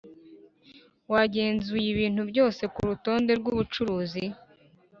wagenzuye ibintu byose kurutonde rwubucuruzi?